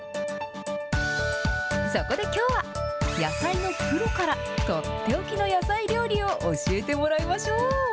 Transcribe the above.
そこできょうは、野菜のプロから取って置きの野菜料理を教えてもらいましょう。